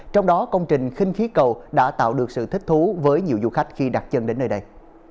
trong đó công trình khinh khí cầu đã tạo được sự thích thú với nhiều du khách khi đặt chân đến nơi đây